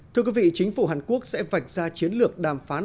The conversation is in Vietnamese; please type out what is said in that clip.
thưa quý vị chính phủ hàn quốc sẽ vạch ra chiến lược đàm phán